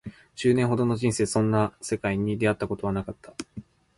十年ほどの人生でそんな世界に出会ったことはなかった